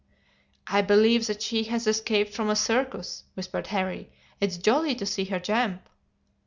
"'I believe that she has escaped from a circus,' whispered Harry; 'it's jolly to see her jump.